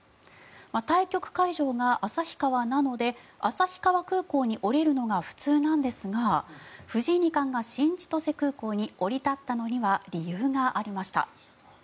対局会場が旭川なので旭川空港に降りるのが普通なんですが、藤井二冠が新千歳空港に降り立ったのには理由がありました。